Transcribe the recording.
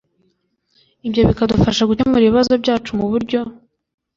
Ibyo bikadufasha gukemura ibibazo byacu mu buryo